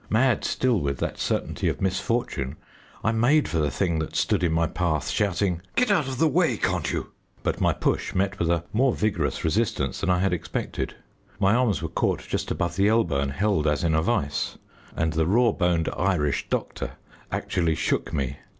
Mad still with that certainty of misfortune, I made for the thing that stood in my path, shouting, "Get out of the way, can't you!" But my push met with a more vigorous resistance than I had expected. My arms were caught just above the elbow and held as in a vice, and the raw boned Irish doctor actually shook me.